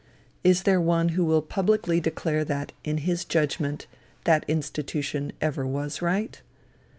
Is there one who will publicly declare that, in his judgment, that institution ever was right?